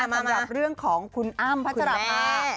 สำหรับเรื่องของคุณอ้ำพัชราภา